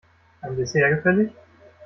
Ein Dessert gefällig?